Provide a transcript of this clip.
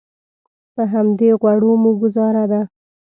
په همدې غوړو مو ګوزاره ده.